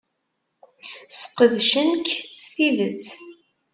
Sqedcen-k s tidet.